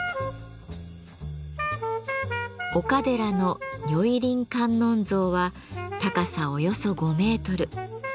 岡寺の如意輪観音像は高さおよそ５メートル。